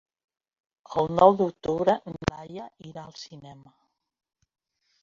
El nou d'octubre na Laia irà al cinema.